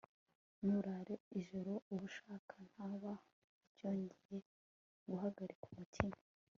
n'uraye ijoro abushaka ntaba acyongeye guhagarika umutima